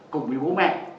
cùng với bố mẹ